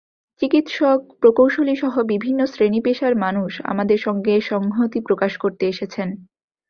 চিকিৎসক, প্রকৌশলীসহ বিভিন্ন শ্রেণী-পেশার মানুষ আমাদের সঙ্গে সংহতি প্রকাশ করতে এসেছেন।